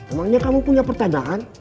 emangnya kamu punya pertanyaan